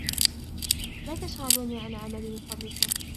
لا تشغلوني عن عملي من فضلكم